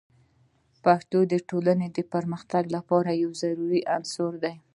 پښتو د ټولنې د پرمختګ لپاره یو ضروري عنصر دی.